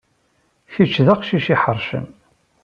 Kecc d aqcic iḥeṛcen.